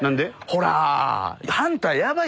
ほら。